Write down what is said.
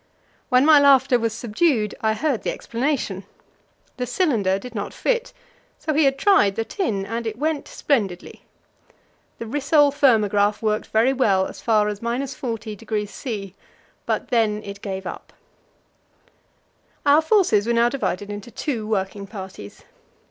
When my laughter was subdued, I heard the explanation. The cylinder did not fit, so he had tried the tin, and it went splendidly. The rissole thermograph worked very well as far as 40° C., but then it gave up. Our forces were now divided into two working parties.